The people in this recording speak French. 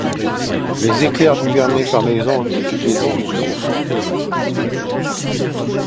Les éclairs, gouvernés par les anges des gouffres ;